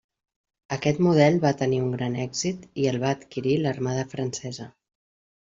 Aquest model va tenir un gran èxit i el va adquirir l'armada francesa.